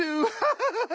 ハハハハ！